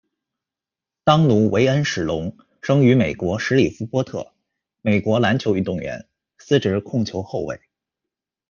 当奴·韦恩·史隆，生于美国什里夫波特，美国篮球运动员，司职控球后卫。